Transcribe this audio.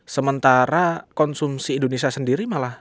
sementara konsumsi indonesia sendiri malah